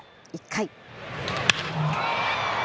１回。